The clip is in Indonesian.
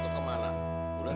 teng teng teng